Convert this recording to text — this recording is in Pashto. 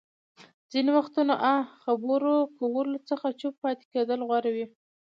ځينې وختونه اه خبرو کولو څخه چوپ پاتې کېدل غوره وي.